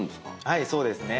はいそうですね。